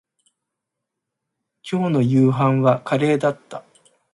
今日の夕飯はカレーだった